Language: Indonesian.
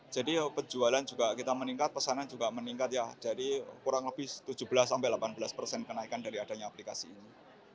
jadi penjualan juga kita meningkat pesanan juga meningkat ya dari kurang lebih tujuh belas delapan belas kenaikan dari adanya aplikasi ini